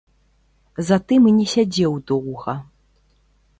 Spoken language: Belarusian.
Затым і не сядзеў доўга.